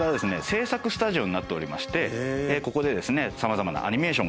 制作スタジオになっておりましてここでですね